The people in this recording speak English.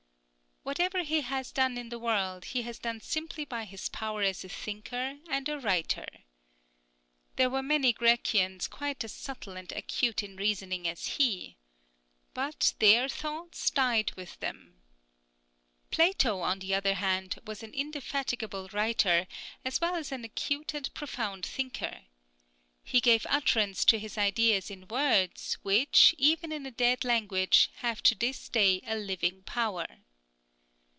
Whatever he has done in the world, he has done simply by his power as a thinker and a writer. There were many Grecians quite as subtle and acute in reasoning as he. But their thoughts died with them. Plato, on the other hand, was an indefatigable writer, as well as an acute and profound thinker. He gave utterance to his ideas in words which, even in a dead language, have to this day a living power.